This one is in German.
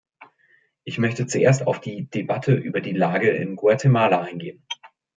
Ich möchte zuerst auf die Debatte über die Lage in Guatemala eingehen.